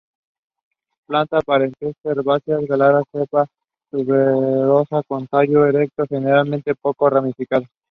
Plantas perennes, herbáceas, glabras de cepa tuberosa, con tallo erecto, generalmente poco ramificado.